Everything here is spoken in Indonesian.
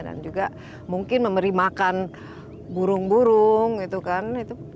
dan juga mungkin memberi makan burung burung gitu kan